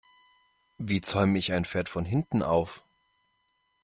Wie zäume ich ein Pferd von hinten auf?